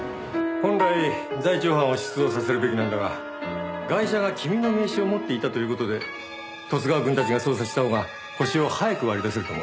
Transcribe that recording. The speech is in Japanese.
本来在庁班を出動させるべきなんだがガイシャが君の名刺を持っていたという事で十津川君たちが捜査したほうがホシを早く割り出せると思うんだ。